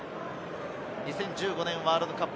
２０１５年ワールドカップ